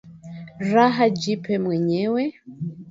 Raha jipe mwenyewe